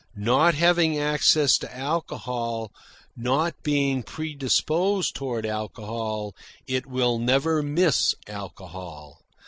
Not having access to alcohol, not being predisposed toward alcohol, it will never miss alcohol.